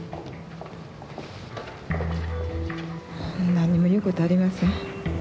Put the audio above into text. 何も言うことはありません。